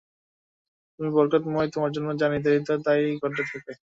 তুমি বরকতময় তোমার জন্য যা নির্ধারিত তা-ই ঘটে থাকে।